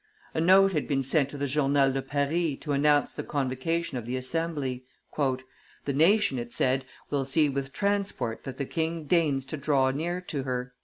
A note had been sent to the Journal de Paris to announce the convocation of the Assembly. "The nation," it said, "will see with transport that the king deigns to draw near to her."